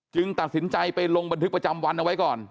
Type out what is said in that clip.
ตัดสินใจไปลงบันทึกประจำวันเอาไว้ก่อน